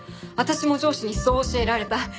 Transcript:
私も上司にそう教えられた。